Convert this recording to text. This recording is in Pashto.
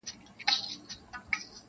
میکده کي به له ډکه جامه ولاړ سم-